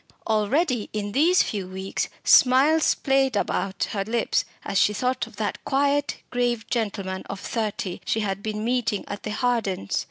Already, in these few weeks Smiles played about her lips as she thought of that quiet grave gentleman of thirty she had been meeting at the Hardens'.